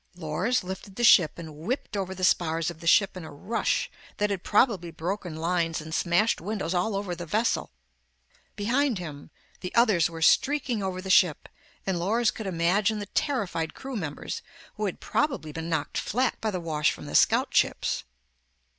Lors lifted the ship and whipped over the spars of the ship in a rush that had probably broken lines and smashed windows all over the vessel. Behind him, the others were streaking over the ship and Lors could imagine the terrified crew members who had probably been knocked flat by the wash from the scout ships.